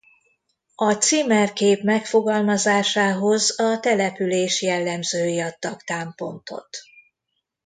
A címerkép megfogalmazásához a település jellemzői adtak támpontot.